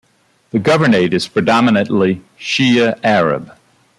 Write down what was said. The governorate is predominately Shia Arab.